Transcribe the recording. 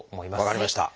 分かりました。